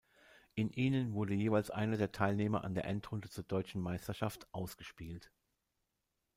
In ihnen wurde jeweils einer der Teilnehmer an der Endrunde zur deutschen Meisterschaft ausgespielt.